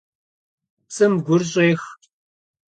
ПцIым гур щIех.